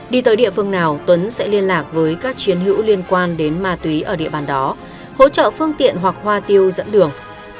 đi tới địa phương nào tuấn sẽ liên lạc với các chiến hữu liên quan đến ma túy ở địa bàn đó hỗ trợ phương tiện hoặc hoa tiêu dẫn đường